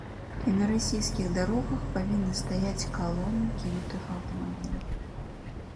І на расійскіх дарогах павінны стаяць калоны кінутых аўтамабіляў.